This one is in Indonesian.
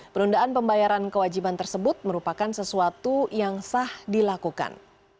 penundaan pembayaran kewajiban tersebut merupakan sesuatu yang sah dilakukan